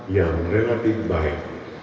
yang relatif baik